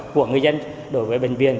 của người dân đối với bệnh viện